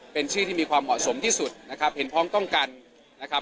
เป็นชื่อที่มีความเหมาะสมที่สุดนะครับเห็นพร้อมต้องกันนะครับ